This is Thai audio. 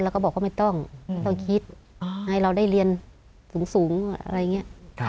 แล้วก็บอกว่าไม่ต้องคิดให้เราได้เรียนสูงอะไรอย่างนี้